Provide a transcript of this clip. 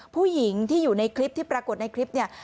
ผู้หญิงที่อยู่ในคลิปที่ปรากฏในคลิปเนี่ย